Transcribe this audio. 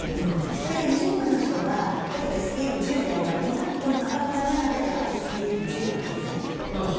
これが２０分の人が例えば、ＳＰＦ１０であれば２００分赤くならなければＳＰＦ１０なんですね。